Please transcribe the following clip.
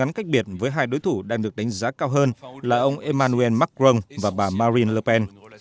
các ứng cử viên khác biệt với hai đối thủ đang được đánh giá cao hơn là ông emmanuel macron và bà marine le pen